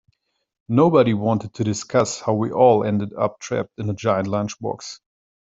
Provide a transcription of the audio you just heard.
Nobody wanted to discuss how we all ended up trapped in a giant lunchbox.